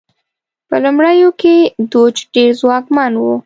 په لومړیو کې دوج ډېر ځواکمن و.